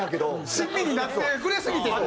親身になってくれすぎてと。